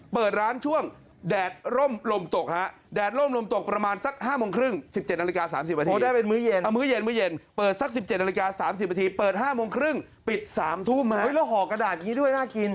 เปิดร้านช่วงแดดร่มลมตกนะฮะแดดร่มลมตกประมาณซัก๕โมงครึ่ง๑๗ณสามสี่ประที